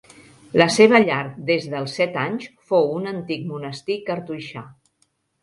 La seva llar des dels set anys fou un antic monestir cartoixà.